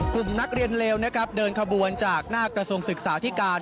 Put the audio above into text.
กลุ่มนักเรียนเลวนะครับเดินขบวนจากหน้ากระทรวงศึกษาที่การ